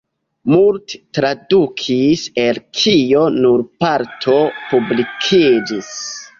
Multe tradukis, el kio nur parto publikiĝis.